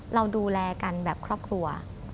เราดูแลกันแบบครอบครัว